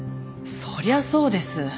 そりゃそうです。